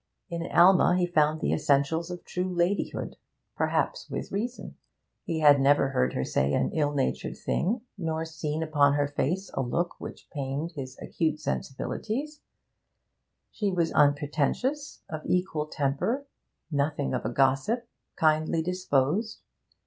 In Alma he found the essentials of true ladyhood perhaps with reason; he had never heard her say an ill natured thing, nor seen upon her face a look which pained his acute sensibilities; she was unpretentious, of equal temper, nothing of a gossip, kindly disposed.